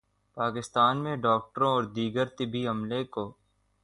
پاکستان میں ڈاکٹروں اور دیگر طبی عملے کو